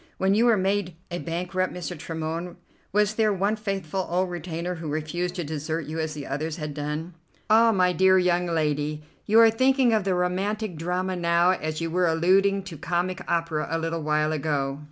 When you were made a bankrupt, Mr. Tremorne, was there one faithful old retainer who refused to desert you as the others had done?" "Ah, my dear young lady, you are thinking of the romantic drama now, as you were alluding to comic opera a little while ago.